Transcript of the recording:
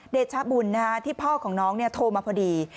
เดชบุญที่พ่อของน้องโทรมาพอดี